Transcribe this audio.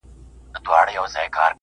يو څو د ميني افسانې لوستې,